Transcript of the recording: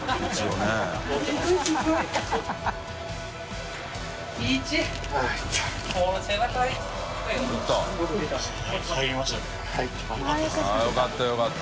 茲辰拭よかったよかった。